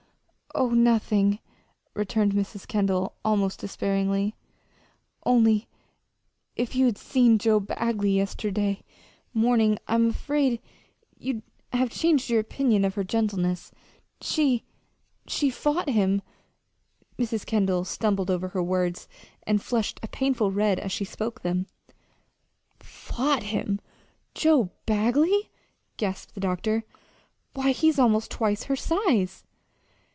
"Oh, nothing," returned Mrs. Kendall, almost despairingly, "only if you'd seen Joe Bagley yesterday morning I'm afraid you'd have changed your opinion of her gentleness. She she fought him!" Mrs. Kendall stumbled over the words, and flushed a painful red as she spoke them. "Fought him Joe Bagley!" gasped the doctor. "Why, he's almost twice her size."